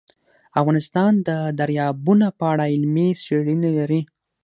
افغانستان د دریابونه په اړه علمي څېړنې لري.